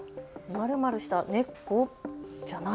まるまるした猫じゃない？